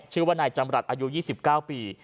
ชื่อว่านายจำรัฐอายุ๒๙ปี